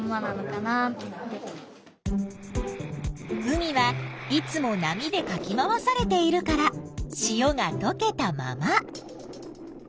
海はいつも波でかき回されているから塩がとけたまま。